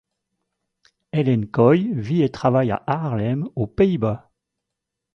Ellen Kooi vit et travaille à Haarlem aux Pays-Bas.